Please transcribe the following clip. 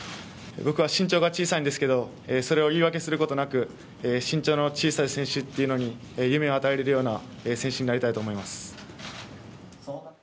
僕は身長が小さいんですけどそれを言い訳することなく身長の小さい選手っていうのに夢を与えれるような選手になりたいと思います。